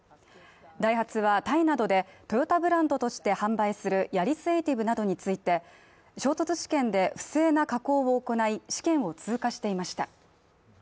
ダイハツはタイなどでトヨタブランドとして販売するＹＡＲＩＳＡＴＩＶなどについて衝突試験で不正な加工を行い、試験を通過していました。